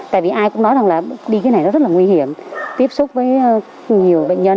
tại vì ai cũng nói rằng là đi cái này nó rất là nguy hiểm tiếp xúc với nhiều bệnh nhân